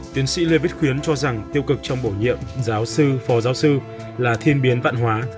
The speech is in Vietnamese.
tiến sĩ lê viết khuyến cho rằng tiêu cực trong bổ nhiệm giáo sư phó giáo sư là thiên biến vạn hóa